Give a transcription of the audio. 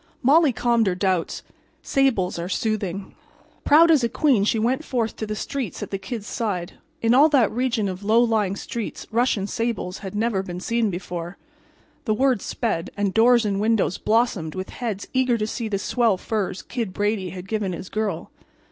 Molly calmed her doubts. Sables are soothing. Proud as a queen she went forth in the streets at the Kid's side. In all that region of low lying streets Russian sables had never been seen before. The word sped, and doors and windows blossomed with heads eager to see the swell furs Kid Brady had given his girl.